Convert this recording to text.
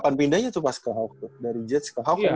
kan pindahnya tuh pas ke hawk tuh dari jets ke hawk